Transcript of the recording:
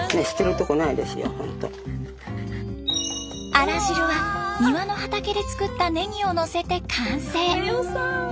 あら汁は庭の畑で作ったネギをのせて完成。